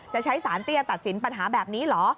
ใช้สารเตี้ยตัดสินปัญหาแบบนี้เหรอ